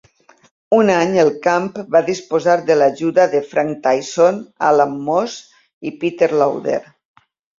Un any el camp va disposar de l'ajuda de Frank Tyson, Alan Moss i Peter Loader.